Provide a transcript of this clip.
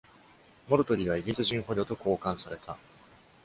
モルトリーはイギリス人捕虜と交換された。